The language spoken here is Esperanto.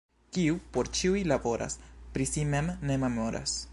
Kiu por ĉiuj laboras, pri si mem ne memoras.